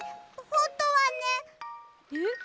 ほんとはね。えっ？